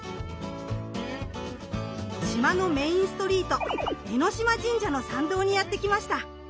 島のメインストリート江島神社の参道にやって来ました。